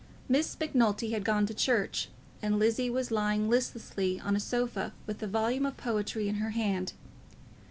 Miss Macnulty had gone to church, and Lizzie was lying listlessly on a sofa with a volume of poetry in her hand.